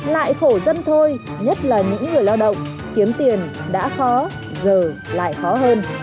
lại khổ dân thôi nhất là những người lao động kiếm tiền đã khó giờ lại khó hơn